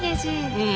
うん。